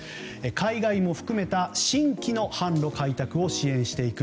海外も含めた新規の販路開拓を支援していく。